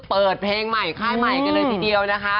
เปิดเพลงใหม่ค่ายใหม่กันเลยทีเดียวนะคะ